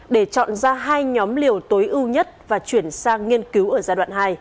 để chọn ra hai nhóm liều tối ưu nhất và chuyển sang nghiên cứu ở giai đoạn hai